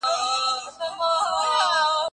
تاسو باید خپل مهارتونه په سمه توګه وکاروئ.